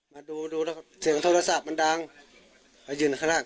มาดูดูแล้วก็เสียงโทรศัพท์มันดังมายืนข้างล่าง